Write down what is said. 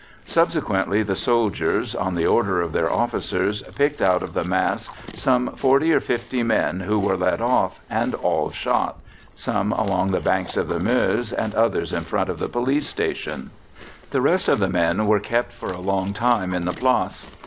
Subsequently the soldiers, on the order of their officers, picked out of the mass some 40 or 50 men who were led off and all shot, some along the bank of the Meuse, and others in front of the Police Station. The rest of the men were kept for a long time in the Place.